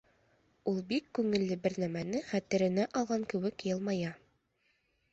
Ул бик күңелле бер нәмәне хәтеренә алған кеүек йылмая.